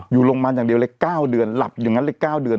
อยู่โรงพยาบาลอย่างเดียวเลย๙เดือนหลับอย่างนั้นเลย๙เดือน